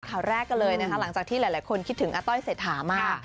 ข่าวแรกกันเลยนะคะหลังจากที่หลายคนคิดถึงอาต้อยเศรษฐามาก